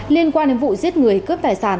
liên quan đến vụ giết người cướp vẻ sản